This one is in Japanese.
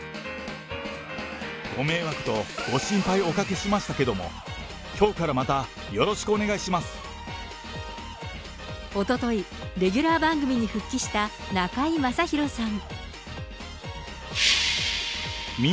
ご迷惑とご心配をおかけしましたけど、きょうからまたよろしおととい、レギュラー番組に復帰した中居正広さん。